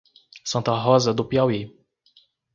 Santa Rosa do Piauí